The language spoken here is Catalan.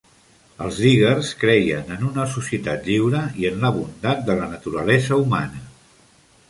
Els Diggers creien en una societat lliure i en la bondat de la naturalesa humana.